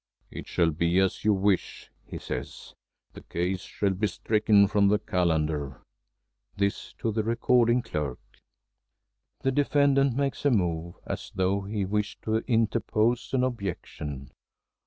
"It shall be as you wish," he says. "The case shall be stricken from the Calendar," this to the recording clerk. The defendant makes a move, as though he wished to interpose an objection.